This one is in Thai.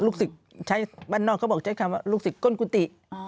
สิทธิ์ใช้บ้านนอกเขาบอกใช้คำว่าลูกศิษย์ก้นกุฏิ